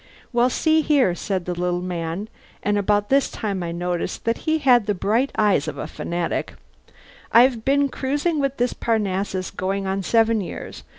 "Well, see here," said the little man and about this time I noticed that he had the bright eyes of a fanatic "I've been cruising with this Parnassus going on seven years.